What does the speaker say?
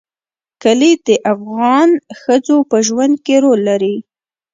کلي د افغان ښځو په ژوند کې رول لري.